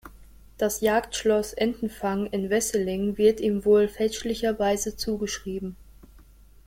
Das Jagdschloss Entenfang in Wesseling wird ihm wohl fälschlicherweise zugeschrieben.